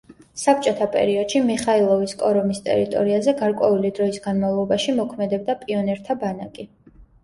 საბჭოთა პერიოდში მიხაილოვის კორომის ტერიტორიაზე გარკვეული დროის განმავლობაში მოქმედებდა პიონერთა ბანაკი.